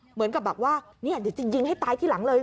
เหมือนกับแบบว่าเดี๋ยวจะยิงให้ตายที่หลังเลย